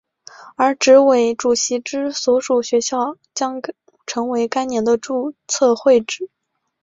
而执委主席之所属学校将成为该年的注册会址。